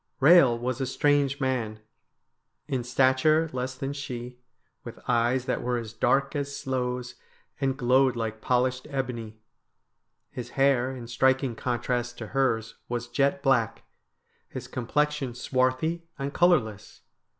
Eehel was a strange man. In stature less than she, with eyes that were as dark as sloes, and glowed like polished ebony. His hair, in striking contrast to hers, was jet black ; his com plexion swarthy and colourless.